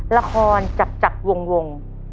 ละครจักจักวง